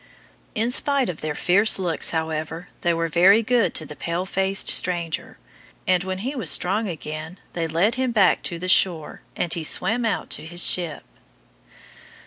In spite of their fierce looks, however, they were very good to the pale faced stranger, and when he was strong again they led him back to the shore, and he swam out to his ship.